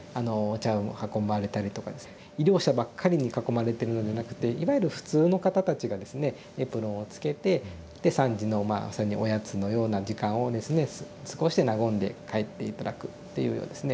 医療者ばっかりに囲まれてるのでなくていわゆる普通の方たちがですねエプロンをつけてで３時のまあおやつのような時間をですね和んで帰って頂くっていうようなですね。